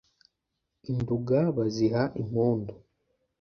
i nduga baziha impundu